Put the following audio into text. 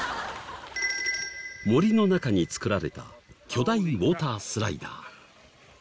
森の中に造られた巨大ウォータースライダー。